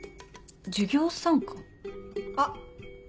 授業参観？あっ。